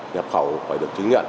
nhập khẩu phải được chứng nhận